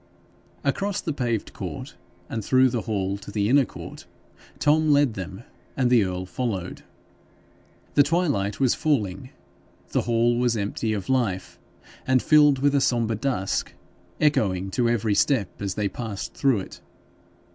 Across the paved court, and through the hall to the inner court, Tom led them, and the earl followed. The twilight was falling. The hall was empty of life, and filled with a sombre dusk, echoing to every step as they passed through it.